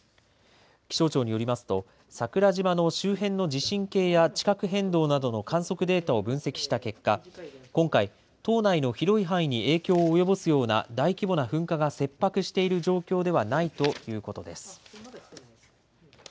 気象庁によりますと、桜島の周辺の地震計や地殻変動などの観測データを分析した結果、今回、島内の広い範囲に影響を及ぼすような大規模な噴火が切迫している状況ではないということです。